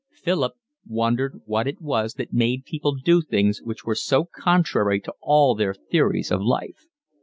Philip wondered what it was that made people do things which were so contrary to all their theories of life.